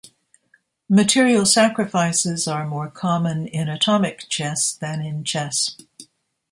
Material sacrifices are more common in atomic chess than in chess.